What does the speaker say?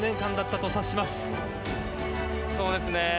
そうですね。